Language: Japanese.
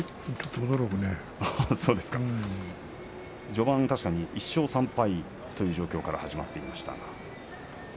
序盤、確かに１勝３敗という状況から始まっていました。